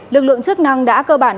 lực lượng chức năng đã cơ bản